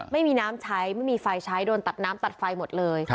ไม่มีน้ำใช้ไม่มีไฟใช้โดนตัดน้ำตัดไฟหมดเลย